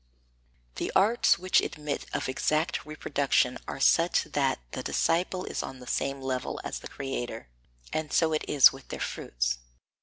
7. The arts which admit of exact reproduction are such that the disciple is on the same level as the creator, and so it is with their fruits.